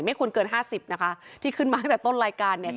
ควรเกินห้าสิบนะคะที่ขึ้นมาตั้งแต่ต้นรายการเนี่ย